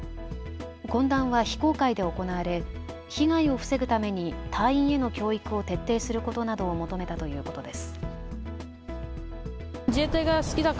懇談は非公開で行われ被害を防ぐために隊員への教育を徹底することなどを求めたということです。